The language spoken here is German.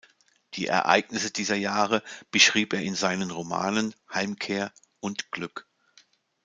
Die Ereignisse dieser Jahre beschrieb er in seinen Romanen „Heimkehr“ und „Glück“.